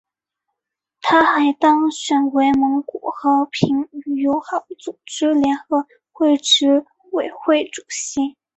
他还当选为蒙古和平与友好组织联合会执委会主席。